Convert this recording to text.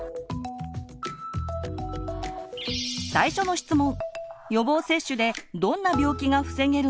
最初の質問！